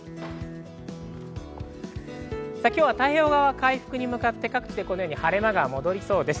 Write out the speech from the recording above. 今日は太平洋側は回復に向かって各地、晴れ間が戻りそうです。